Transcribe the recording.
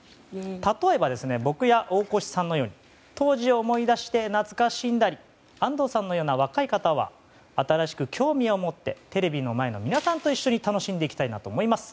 例えば、僕や大越さんのように当時を思い出して懐かしんだり安藤さんのような若い方は新しく興味を持ってテレビの前の皆さんと一緒に楽しんでもらいたいと思います。